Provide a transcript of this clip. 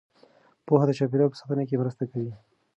پوهه د چاپیریال په ساتنه کې مرسته کوي.